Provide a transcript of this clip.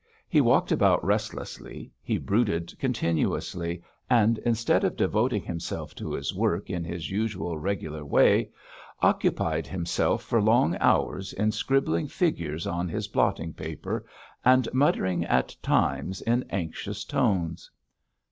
He walked about restlessly, he brooded continuously, and instead of devoting himself to his work in his usual regular way, occupied himself for long hours in scribbling figures on his blotting paper, and muttering at times in anxious tones.